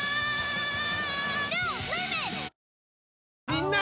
みんな！